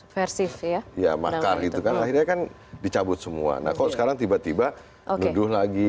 versi via ya makar itu kan akhirnya kan dicabut semua nah kok sekarang tiba tiba oke dulu lagi